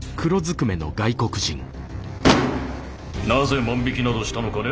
なぜ万引きなどしたのかね？